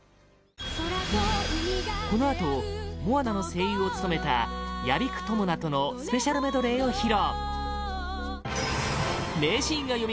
このあとモアナの声優を務めた屋比久知奈とのスペシャルメドレーを披露